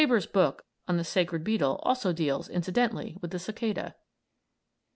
(Fabre's book on the sacred beetle also deals, incidentally, with the Cicada.)